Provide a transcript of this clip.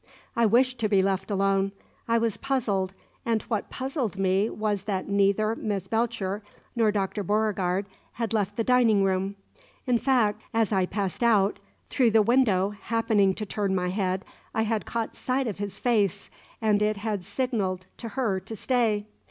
I wished to be left alone. I was puzzled, and what puzzled me was that neither Miss Belcher nor Dr. Beauregard had left the dining room. In fact, as I passed out through the window, happening to turn my head, I had caught sight of his face, and it had signalled to her to stay.